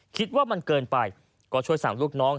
คิดว่ามันเกินไปก็ช่วยสั่งลูกน้อง